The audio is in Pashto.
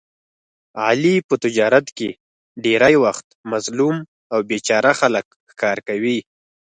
علي په تجارت کې ډېری وخت مظلوم او بې چاره خلک ښکار کوي.